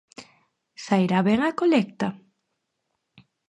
Sairá ben a colecta?